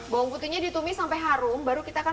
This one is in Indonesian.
bawang putihnya ditumis sampai harum baru kita akan